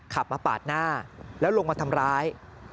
ขับมาปาดหน้าแล้วลงมาทำร้าย